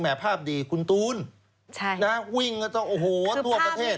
ภาพดีคุณตูนวิ่งก็ต้องโอ้โหทั่วประเทศ